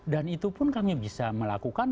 dan itu pun kami bisa melakukan